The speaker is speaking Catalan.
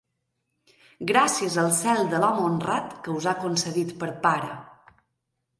Gràcies al cel de l'home honrat que us ha concedit per pare!